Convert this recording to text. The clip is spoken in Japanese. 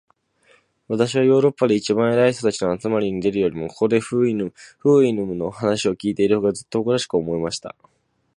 私はヨーロッパで一番偉い人たちの集まりに出るよりも、ここで、フウイヌムの話を開いている方が、ずっと誇らしく思えました。